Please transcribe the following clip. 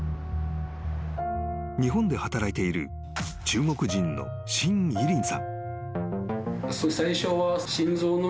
［日本で働いている中国人の申偉琳さん］